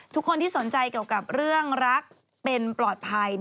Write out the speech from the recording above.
ทุกคนที่สนใจเกี่ยวกับเรื่องรักเป็นปลอดภัย